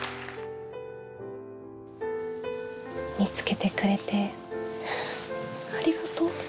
見つけてくれてありがとう。